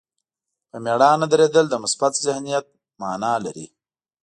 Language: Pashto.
په مېړانه درېدل د مثبت ذهنیت معنا لري.